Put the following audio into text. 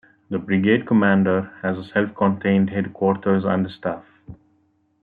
The brigade commander has a self-contained headquarters and staff.